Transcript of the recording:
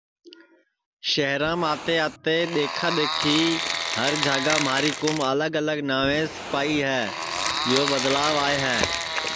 شہرام آتے آتے دِؔکھا دِؔکھی ہر جھاگا مہاری کُوم الگ الگ ناوس پائی ہے یو بدلاو آئے ہے